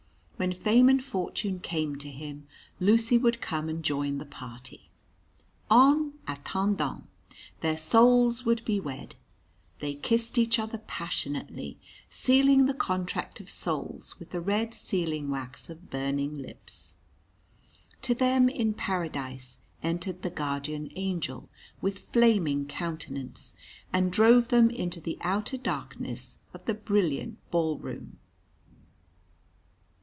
When fame and fortune came to him, Lucy would come and join the party. En attendant, their souls would be wed. They kissed each other passionately, sealing the contract of souls with the red sealing wax of burning lips. To them in Paradise entered the Guardian Angel with flaming countenance, and drove them into the outer darkness of the brilliant ball room.